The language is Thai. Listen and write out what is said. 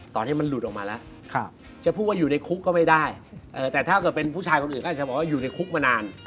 ตอนนี้มันหลุดออกมาแล้วจะพูดว่าอยู่ในคุกก็ไม่ได้แต่ถ้าเกิดเป็นผู้ชายคนอื่นก็อาจจะบอกว่าอยู่ในคุกมานาน